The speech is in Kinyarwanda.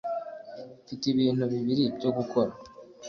mfite ibintu bibiri byo gukora